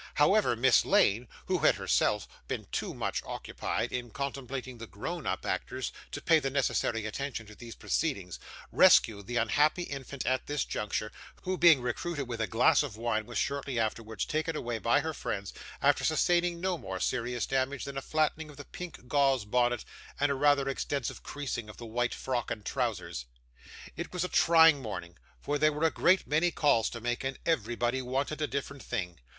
However, Miss Lane (who had herself been too much occupied in contemplating the grown up actors, to pay the necessary attention to these proceedings) rescued the unhappy infant at this juncture, who, being recruited with a glass of wine, was shortly afterwards taken away by her friends, after sustaining no more serious damage than a flattening of the pink gauze bonnet, and a rather extensive creasing of the white frock and trousers. It was a trying morning; for there were a great many calls to make, and everybody wanted a different thing.